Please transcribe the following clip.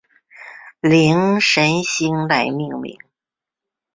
灵神星来命名。